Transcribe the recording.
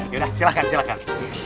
ya udah silahkan silahkan